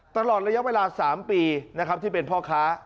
ตลอดระยะเวลา๓ปีนะครับที่เป็นพ่อค้า